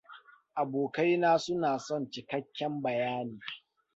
Abokaina suna son cikakken bayani.